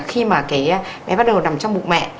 khi mà cái bé bắt đầu nằm trong bụng mẹ